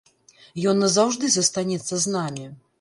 Ён назаўжды застанецца з намі.